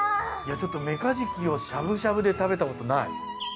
メカジキをしゃぶしゃぶで食べたことない。